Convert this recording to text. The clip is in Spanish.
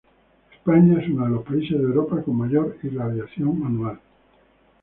España es uno de los países de Europa con mayor irradiación anual.